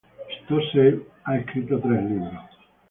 Stossel ha escrito tres libros.